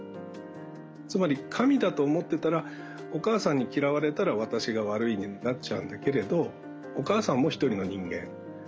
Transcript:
つまり神だと思ってたらお母さんに嫌われたら「私が悪い」になっちゃうんだけれどお母さんも一人の人間。